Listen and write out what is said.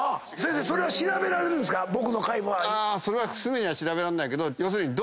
すぐには調べらんないけど要するに。